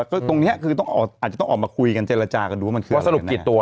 ก็ตรงนี้คือต้องอาจจะต้องออกมาคุยกันเจรจากันดูว่ามันคือว่าสรุปกี่ตัว